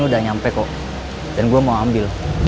udah nyampe kok dan gue mau ambil